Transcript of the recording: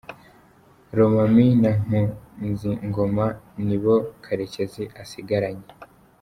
Lomami na Nkunzingoma nibo Karekezi asigaranye.